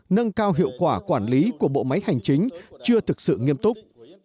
nâng cao hiệu quả quản lý của bộ máy hành chính chưa thực sự nghiêm túc